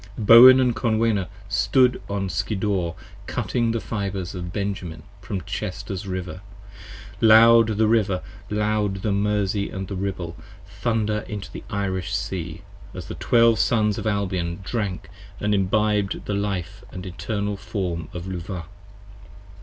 Bowen & Conwenna stood on Skiddaw cutting the Fibres 15 Of Benjamin from Chester's River: loud the River, loud, the Mersey And the Ribble, thunder into the Irish sea, as the Twelve Sons Of Albion drank & imbibed the Life & eternal Form of Luvah.